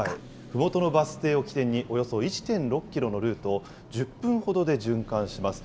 ふもとのバス停を起点におよそ１．６キロのルートを１０分ほどで循環します。